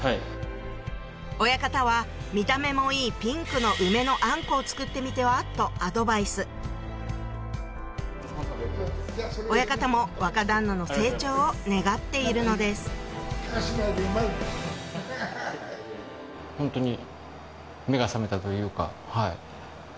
親方は「見た目もいいピンクの梅のあんこを作ってみては？」とアドバイス親方も若旦那の成長を願っているのですホントに。